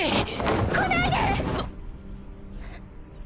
来ないで！